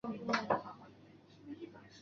克雷莫。